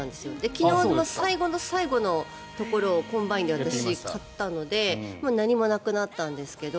昨日、最後の最後のところをコンバインで私、刈ったのでもう何もなくなったんですけど。